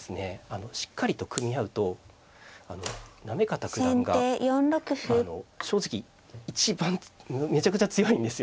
あのしっかりと組み合うと行方九段が正直一番めちゃくちゃ強いんですよね。